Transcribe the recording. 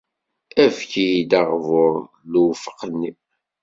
Efk-iyi-d agbur n lewfeq-nni.